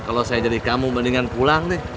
kalau saya jadi kamu mendingan pulang cik